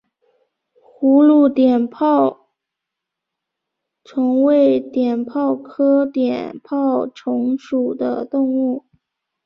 葫芦碘泡虫为碘泡科碘泡虫属的动物。